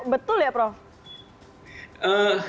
betul ya prof